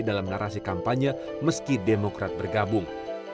dalam narasi kampanye meski demokrat bergabung